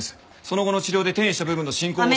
その後の治療で転移した部分の進行を抑え。